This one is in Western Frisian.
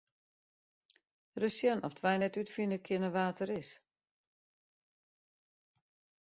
Ris sjen oft wy net útfine kinne wa't er is.